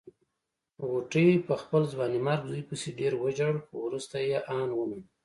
غوټۍ په خپل ځوانيمرګ زوی پسې ډېر وژړل خو روسته يې ان ومانه.